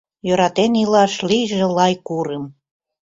Йӧратен илаш лийже лай курым.